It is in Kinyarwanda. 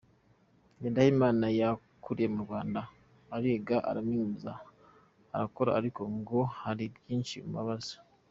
Ngendahimana yakuriye mu Rwanda, ariga, araminuza, arakora, ariko ngo hari byinshi bimubabaza :